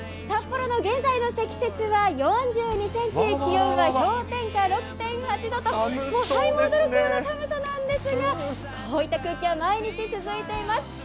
札幌の現在の積雪は４２センチ、気温は氷点下６．８度と、寒さなんですが、こういった空気は、毎日続いています。